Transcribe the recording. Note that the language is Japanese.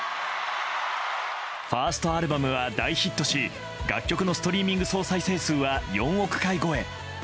ファーストアルバムは大ヒットし楽曲のストリーミング総再生数は４億回超え。